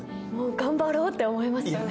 頑張ろうって思いますよね。